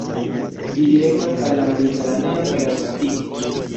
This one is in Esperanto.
Ĝi direktas al la Mediteraneo kaj Atlantiko.